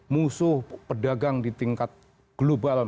musuh pedagang di tingkat global